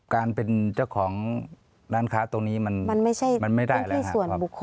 การเป็นเจ้าของร้านค้าตรงนี้มันไม่ได้เลยครับ